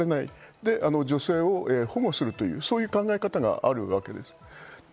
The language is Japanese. で、女性を保護するという考え方があるわけです。